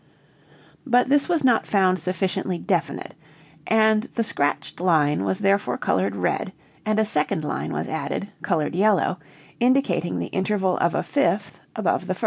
But this was not found sufficiently definite and the scratched line was therefore colored red and a second line was added, colored yellow, indicating the interval of a fifth above the first."